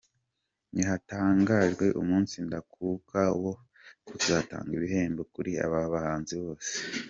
Ntihatangajwe umunsi ndakuka wo kuzatanga ibihembo kuri aba bahanzi bose .